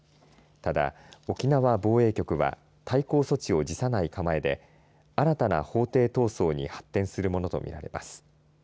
ただ沖縄防衛局は対抗措置を辞さない構えで新たな法廷闘争に発展するものとみられます。